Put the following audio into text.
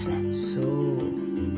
そう。